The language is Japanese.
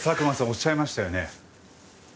おっしゃいましたよね？